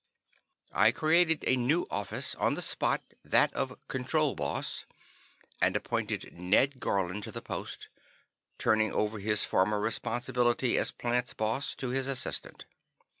I created a new office on the spot, that of "Control Boss," and appointed Ned Garlin to the post, turning over his former responsibility as Plants Boss to his assistant.